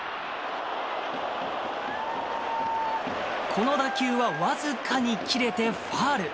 この打球は僅かに切れてファウル。